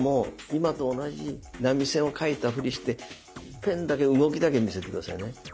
今と同じ波線を書いたフリしてペンだけ動きだけ見せてくださいね。